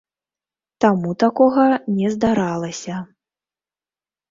Таму такога не здаралася.